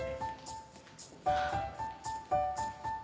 ハァ。